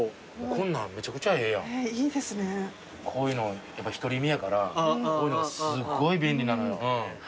こういうのやっぱ独り身やからこういうのがすごい便利なのよ。